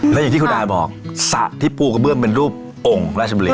และอย่างที่คุณอาบอกสระที่ปูกระเบื้องเป็นรูปองค์ราชบุรี